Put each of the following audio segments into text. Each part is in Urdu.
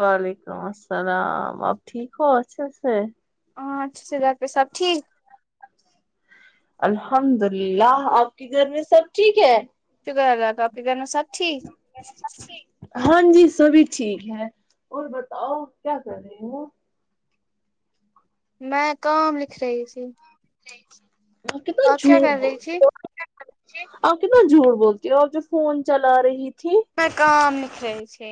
وعلیکم السلام آپ ٹھیک ہو اچھے سے ہاں اچھے سے گھر پہ سب ٹھیک الحمد للہ آپ کے گھر میں سب ٹھیک ہے شکر اللہ کا آپ کے گھر میں سب ٹھیک ہاں جی سبھی ٹھیک ہے اور بتاؤ کیا کر رہی ہو میں کام لکھ رہی تھی وہ کتنا آپ کیا جھوٹ کر رہی بول تھی آپ کتنا جھوٹ بولتی ہو آپ جب فون چلا رہی تھی میں کام لکھ رہی تھی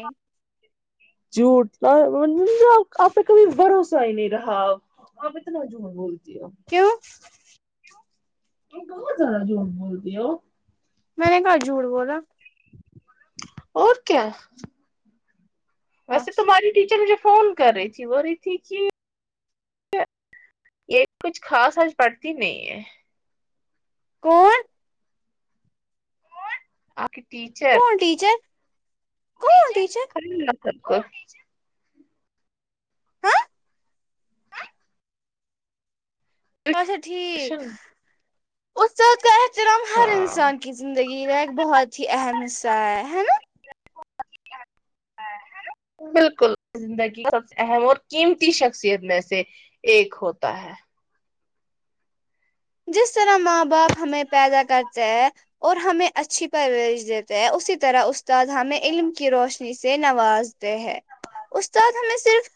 جھوٹ انہوں نے نہ آپ پے کبھی بھروسہ ہی نہیں رہا اپ اتنا جھوٹ بول تی ہو کیوں تم کہا زیادہ جھوٹ بولتی ہو میں نے کہا جھوٹ بولا اور کیا ویسے تمہاری ٹیچر مجھے فون کر رہی تھی بول رہی تھی کہ یہ کچھ خاص آج پڑھتی نہیں ہے کون آپ کی ٹیچر کون ٹیچر ٹیچر خالی نفرت کر ہاں اچھا ٹھیک ٹیوشن استاد کا احترام ہر ہاں انسان کی زندگی کا ایک بہت ہی اہم حصہ ہے ہے نا زندگی کا ایک بہت ہی اہم حصہ ہے ہے نا بالکل زندگی سب سے اہم اور قیمتی شخصیت میں سے ایک ہوتا ہے جس طرح ماں باپ ہمیں پیدا کرتے ہیں اور ہمیں اچھی پرورش دیتے ہیں اسی طرح استاد ہمیں علم کی روشنی سے نواز تے ہیں استاد ہمیں صرف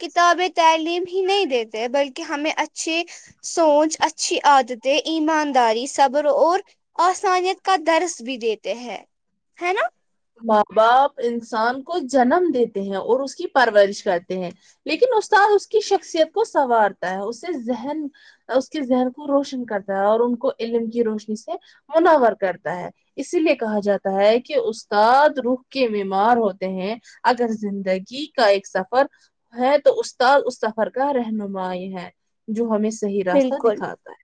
کتابیں تعلیم ہی نہیں دیتے بلکہ ہمیں اچھے سونچ آچھی عادتیں ایمانداری صبر اور آسانیت کا درس بھی دیتے ہیں ہے نا ماں باپ انسان کو جنم دیتے ہیں اور اس کی پرورش کرتے ہیں لیکن استاد اس کی شخصیت کو سنوارتا ہے اسے ذہن اس کے ذہن کو روشن کرتا ہے اور ان کو علم کی روشنی سے منور کرتا ہے اسی لیے کہا جاتا ہے کہ اس استاد رخ کے بیمار ہوتے ہیں اگر زندگی کا ایک سفر ہے تو استاد اس سفر کا رہنمائی ہے جو ہمیں صحیح راستہ دکھاتا ہے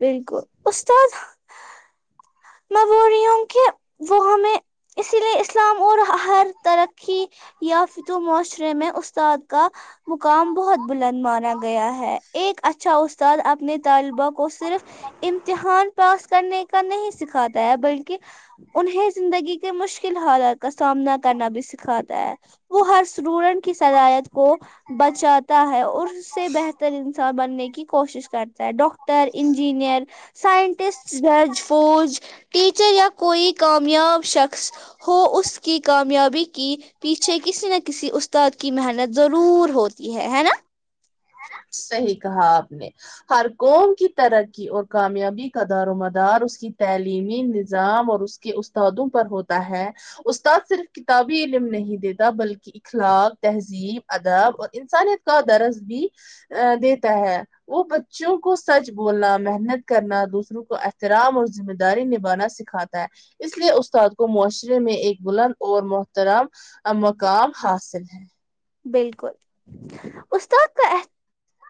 بلکل استاد میں بول رہی ہوں کہ وہ ہمیں اسی لیے اسلام اور ہر ترقی یافتو معاشرے میں استاد کا مقام بہت بلند مانا گیا ہے ایک اچھا استاد اپنے طالبہ کو صرف امتحان پاس کرنے کا نہیں سکھاتا ہے بلکہ انہیں زندگی کے مشکل حالات کا سامنا کرنا بھی سکھاتا ہے وہ ہر سٹوڈنٹ کی صلاحت کو بچاتا ہے اور اس سے بہتر انسان بننے کی کوشش کرتا ہے ڈاکٹر انجینئر سائنٹسٹ جج فور ٹیچر یا کوئی کامیاب شخص ہو اس کی کامیابی کی پیچھے کسی نہ کسی استاد کی محنت ضرور ہوتی ہے ہے نا صحیح کہا آپ نے ہر قوم کی ترقی اور کامیابی کا دار و مدار اس کی تعلیمی نظام اور اس کے استادوں پر ہوتا ہے استاد صرف کتابی علم نہیں دیتا بلکہ اخلاق تہذیب ادب اور انسانیت کا درس بھی دیتا ہے وہ بچوں کو سچ بولنا محنت کرنا دوسروں کو احترام اور ذمہ داری نبھانا سھ کھاتا ہے اس لیے استاد کو معاشرے میں ایک بلند اور محترام مقام حاصل ہے بالکل استاد کا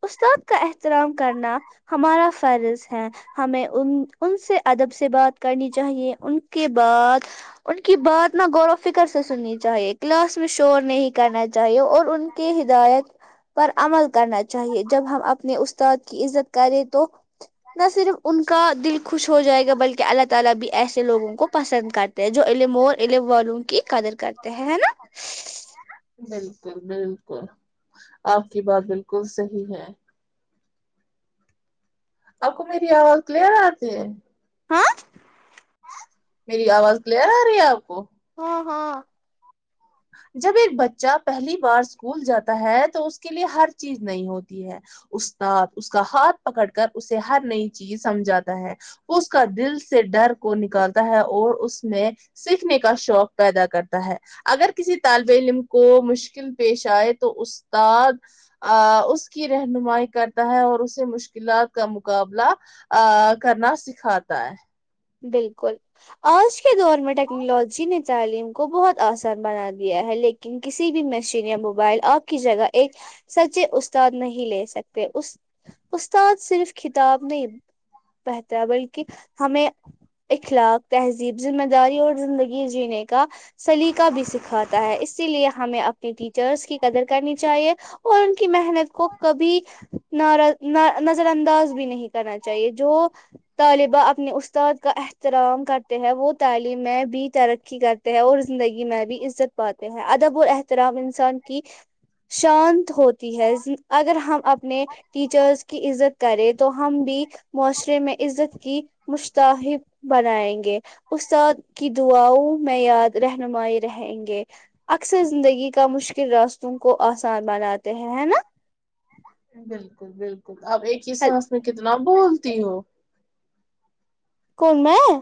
استاد کا احترام کرنا ہمارا فرض ہے ہمیں ان ان سے ادب سے بات کرنی چاہیے ان کے بعد ان کی بات نہ غور و فکر سے سننی چاہیے کلاس میں شور نہیں کرنا چاہیے اور ان کی ہدایت پر عمل کرنا چاہیے جب ہم اپنے اس استاد کی عزت کرے تو نہ صرف ان کا دل خوش ہو جائے گا بلکہ اللہ تالہ بھی ایسے لوگوں کو پسند کرتے ہیں جو علم اورعلم والوں کی قدر کرتے ہیں ہے ج نا بائے [unintelligible] بلکل بلکل آپ کی بات بلکل صحیح ہے آپ کو میری آواز کلیئر آتی ہے ہاں میری آواز کلیئر آ رہی ہے آپ کو ہاں ہاں جب ایک بچہ پہلی بار اسکول جاتا ہے تو اس کے لیے ہر چیز نئی ہوتی ہے استاد اس کا ہاتھ پکڑ کر اسے ہر نئی چیز سمجھاتا ہے وو اس کا دل سے ڈر کو نکالتا ہے اور اس میں سیکھنے کا شوق پیدا کرتا ہے اگر کسی طالب علم کو مشکل پیش آئے تو استاد آ اس کی رہنمائی کرتا ہے اور اسے مشکلات کا مقابلہ ا کرنا سکھاتا ہے بالکل آج کے دور میں ٹیکنالوجی نے تعلیم کو بہت آسان بنا دیا ہے لیکن کسی بھی مشین یا موبائل آپ کی جگہ ایک سچے استاد نہیں لے سکتے اس استاد صرف کتاب نہیں بہتر ہے بلکہ ہمیں اخلاق تہذیب ذمہ داری اور زندگی جینے کا سلیقہ بھی سکھاتا ہے اسی لیے ہمیں اپنی ٹیچرس کی قدر کرنی چاہیے اور ان کی محنت کو کبھی نرا نظر انداز بھی نہیں کرنا چاہیے جو طالبہ اپنے اس استاد کا احترام کرتے ہیں وہ تعلیم میں بھی ترقی کرتے ہیں اور زندگی میں بھی عزت پاتے ہیں ادب و احترام انسان کی شان ہوتی ہے اگر ہم اپنے ٹیچرس کی عزت کریں تو ہم بھی معاشرے میں عزت کی مستحب بنائیں گے استاد کی دعاؤں میں یاد رہنمائی رہیں گے اکثر زندگی کا مشکل راستوں کو آسان بناتے ہیں نا بالکل بالکل اپ ایک ہی سانس میں کتنا بولتی ہو کون میں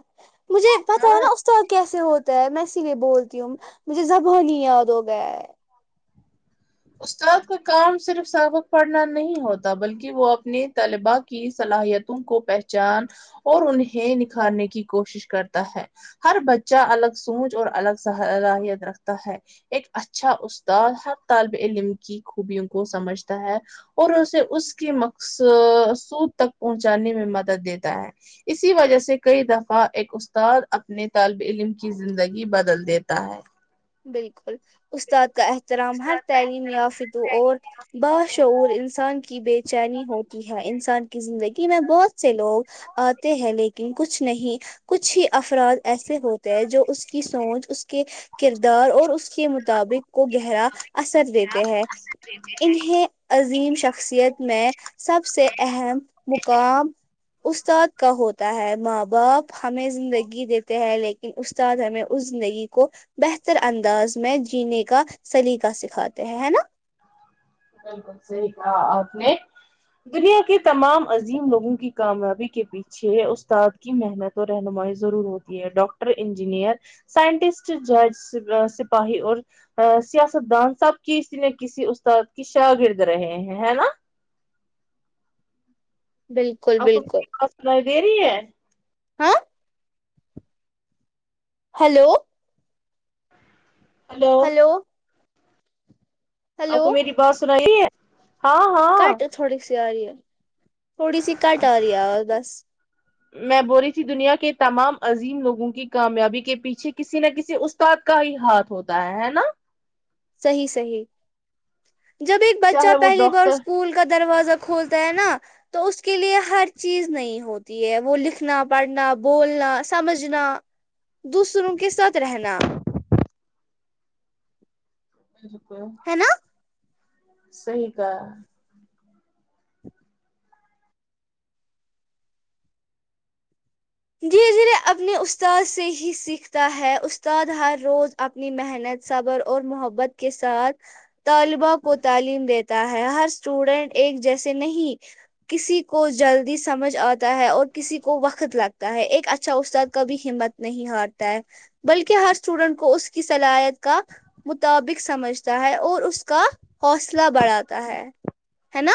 مجھے پتا ہاں ہے نا استاد کیسے ہوتے میں میں اسی لیے بولتی ہوں مجھے زبانی یاد ہو گیا ہے استاد کا کام صرف سابق پڑھنا نہیں ہوتا بلکہ وہ اپنے طالبات کی صلاحیتوں کو پہچان اور انہیں نکھارنے کی کوشش کرتا ہے ہر بچہ الگ سوچ اور الگ صلاحیت رکھتا ہے ایک اچھا استاد ہر طالب علم کی خوبیوں کو سمجھتا ہے اور اسے اس کے مقص سود تک پہنچانے میں مدد دیتا ہے اسی وجہ سے کئی دفعہ ایک استاد اپنے طالب علم کی زندگی بدل دیتا ہے بالکل استاد کا احترام ہر تعلیم یافت اور باشعور انسان کی بے چینی ہوتی ہے انسان کی زندگی میں بہت سے لوگ آتے ہیں لیکن کچھ نہیں کچھ ہی افراد ایسے ہوتے ہیں جو اس کی سوچ اس کے کردار اور اس کے مطابق کو گہرا اثر دیتے ہیں انیں عظیم شخصیت میں سب سے اہم مقام استاد کا ہوتا ہے ماں باپ ہمیں زندگی دیتے ہیں لیکن استاد ہمیں اس زندگی کو بہتر انداز میں جینے کا سلیقہ سکھاتے ہیں ہے نا بلکل صحیح کھا آپ نے دنیا کے تمام عظیم لوگوں کی کامیابی کے پیچھے چھ استاد کی محنت اور رہنمائی ضرور ہوتی ہے ڈاکٹر انجینئر سائنٹسٹ جج سپ سپاہی اور سیاستدان سب کسی نے کسی استاد کی شاگرد رہے ہیں ہے نا بالکل آپکو بالکل میری آواز سنائی دے رہی ہے ہاں ہیلو ہیلو ہلو آپ ہلو کو میری بات سنائی دے رہی ہے ہاں ہاں کٹ تھوڑی سی آ رہی ہے تھوڑی سی کٹ آ رہی ہے اور بس میں بول رہی تھی دنیا کے تمام عظیم لوگوں کی کامیابی کے پیچھے کسی نہ کسی اس استاد کا ہی ہاتھ ہوتا ہے ہے نا صحیح صحیح جب ایک بچہ چاہے وہ پہلی بار ڈاکٹر اسکول کا دروازہ کھولتا ہے نا تو اس کے لیئے ہر چیز نئی ہوتی ہے وہ لکھنا پڑھنا بولنا سمجھنا دوسروں کے ساتھ رہنا [unintelligible] ہے نا سہی کہا دھیرے دھیرے اپنے استاد سے ہی سیکھتا ہے استاد ہر روز اپنی محنت صبر اور محبت کے ساتھ طالبا کو تعلیم دیتا ہے ہر اسٹوڈینٹ ایک جیسے نہیں کسی کو جلدی سمجھ آتا ہے اور کسی کو وقت لگ تا ہے ایک اچھا استاد کبھی ہمت نہیں ہارتا ہے بلکہ ہر اسٹوڈینٹ کو اس کی صلایت کا مطابق سمجھتا ہے اور اس کا حوصلہ بڑھاتا ہے ہے نا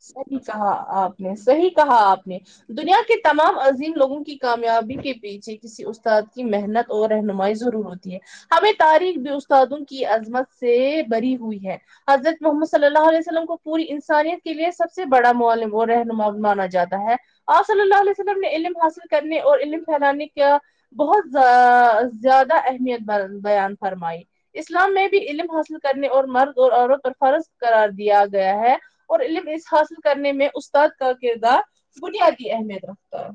صحیح کہا آپ نے صحیح کہا آپ نے دنیا کے تمام عظیم لوگوں کی کامیابی کے پیچھے کسی استاد کی محنت اور رہنمائی ضرور ہوتی ہے ہمیں تاریخ بھی استادوں کی عظمت سے بری ہوئی ہے حضرت محمد صلی اللہ علیہ وسلم کو پوری انسانیت کے لیے سب سے بڑا معلم وہ رہنماؤ مانا جاتا ہے آپ صلی اللہ علیہ وسلم نے علم حاصل کرنے اور علم پھیلانے کیا بہت ذا ا زیادہ اہمیت ب بیان فرمائی اسلام میں بھی الیم حاصل کرنے اور مرد اور عورت پر فرض قار دیا گیا ہے اور الیم اس حاصل کرنے میں استاد کا کردار بنیادی اہمیت رکھتا ہے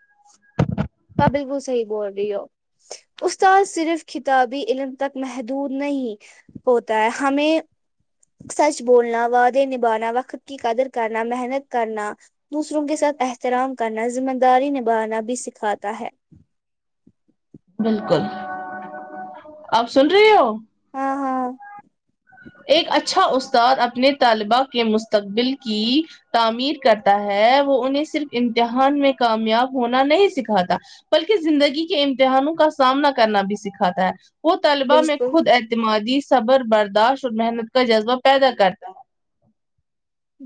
دھ ڈھ ایبل وہ صحی بول رہی ہو استاد صرف کتابی علم تک محدود نہیں ہوتا ہے ہمیں سچ بولنا وعدے نبانا وقت کی قدر کرنا محنت کرنا دوسروں کے ساتھ احترام کرنا ذمہ داری نبھانا بھی سکھاتا ہے بالکل آپ سن رہی ہو ہاں ہاں ایک اچھا استاد اپنے طالبہ کے مستقبل کی تعمیر کرتا ہے وہ انہیں صرف امتحان میں کامیاب ہونا نہیں سکھاتا بلکہ زندگی کے امتحانوں کا سامنا کرنا بھی سکھاتا ہے وہ طلبہ میں بالکل خود اعتمادی صبر برداشت اور محنت کا جذبہ پیدا کرتا ہے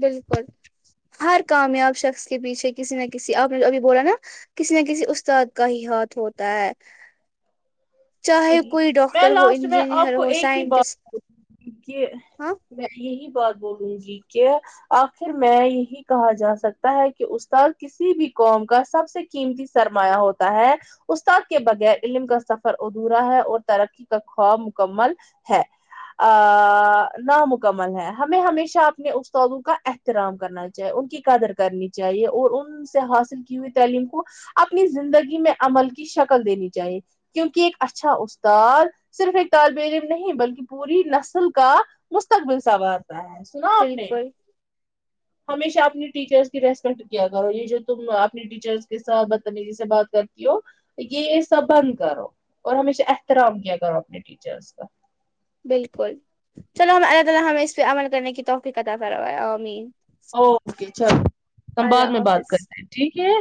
بالکل ہر کامیاب شخص کے پیچھے کسی نہ کسی آپ آپ نے ابھی بولا نا کسی نہ کسی استاد کا ہی ہاتھ ہوتا ہے چاہے صحیح کوئی میں ڈاکٹر ہو لاسٹ انجینئہر ہو سائنٹسٹ یہ اہ ہاں میں یہی بات بولوں گی کہ آخر میں یہی کہا جا سکتا ہے کہ استاد ک کسی بھی قوم کا سب سے قیمتی سرمایہ ہوتا ہے استاد کے بغیر علم کا سف فر ادھورا ہے اور ترقی کا خواب مکمل ہے ا ا ا ا نامکمل ہے ہمیں ہمیشہ اپنے استادوں کا احت احترام کرنا چاہیے ان کی قدر کرنی چاہیے اور ان سے حاصل کی ہوئی تعلیم کو اپنی زندگی میں عمل کی شکل دینی چاہیے کیونکہ ایک اچھا استاد صرف ایک طالب علم نہیں بلکہ پوری نسل کا مستقبل سنوارتا ہے سنا آپ نے بالکل ہمیشہ اپنی ٹیچر س کی ریسپیکٹ کیا کرو یہ جو تم اپنی ٹیچرس کے ساتھ بدتمیزی سے بات کرتی ہو یہ سب بند کرو اور ہمیشہ احترام کیا کرو اپنے ٹیچرس کا بلکل چلو ہمیں اللہ تعالی ہمیں اسپے عمل کرنے کی توفیق عطاء فرمائیں آمین او کے چلو ہم بعد اللہ میں بات حافظ کرتے ہیں ٹھیک ہے